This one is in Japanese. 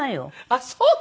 あっそうだ。